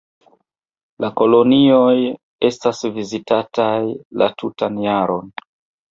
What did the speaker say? La kolonioj estas vizitataj la tutan jaron.